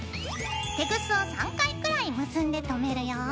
テグスを３回くらい結んで留めるよ。